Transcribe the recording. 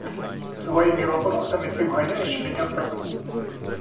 Своими вопросами ты вгоняешь меня в тоску.